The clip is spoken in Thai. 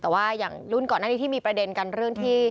แต่ว่าอย่างรุ่นก่อนหน้านี้ที่มีประเด็นกันเรื่องที่